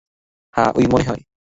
হ্যাঁ, ওই মনে হয়।